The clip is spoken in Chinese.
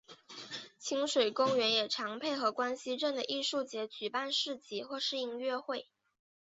亲水公园也常配合关西镇的艺术节举办市集或是音乐会。